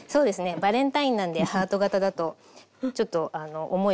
バレンタインなんでハート型だとちょっと「おもい」